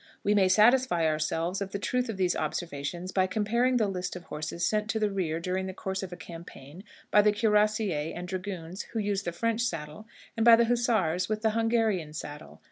We may satisfy ourselves of the truth of these observations by comparing the lists of horses sent to the rear during the course of a campaign by the cuirassiers and dragoons who use the French saddle, and by the hussars with the Hungarian saddle.